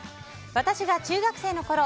私が中学生のころ